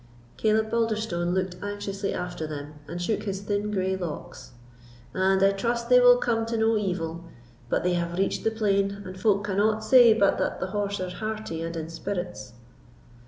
Caleb Balderstone looked anxiously after them, and shook his thin grey locks: "And I trust they will come to no evil; but they have reached the plain, and folk cannot say but that the horse are hearty and in spirits."